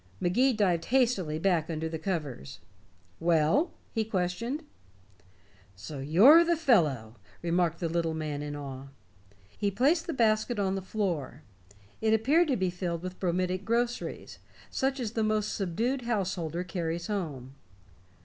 Magee dived hastily back under the covers. "Well?" he questioned. "So you're the fellow," remarked the little man in awe. He placed the basket on the floor; it appeared to be filled with bromidic groceries, such as the most subdued householder carries home.